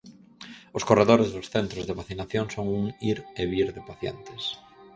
Os corredores dos centros de vacinación son un ir e vir de pacientes.